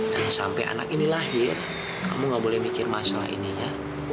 dan sampai anak ini lahir kamu gak boleh mikir masalah ini ya